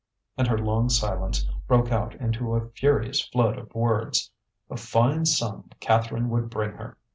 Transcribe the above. And her long silence broke out into a furious flood of words. A fine sum Catherine would bring her!